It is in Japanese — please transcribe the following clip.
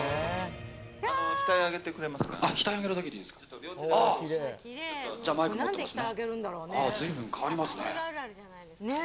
額上げるだけでいいですか両手でじゃマイク持ってますね